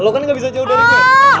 lo kan gak bisa jauh derek g